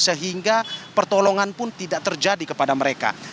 sehingga pertolongan pun tidak terjadi kepada mereka